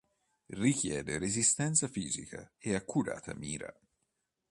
Richiede resistenza fisica e accurata mira.